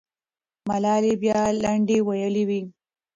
ملالۍ به بیا لنډۍ ویلي وي.